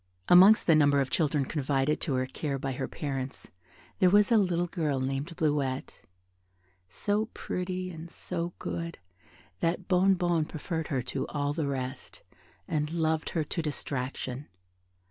Amongst the number of children confided to her care by their parents, there was a little girl named Bleuette, so pretty and so good that Bonnebonne preferred her to all the rest, and loved her to distraction.